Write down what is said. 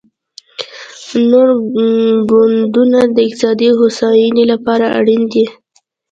نور ګوندونه د اقتصادي هوساینې لپاره اړین دي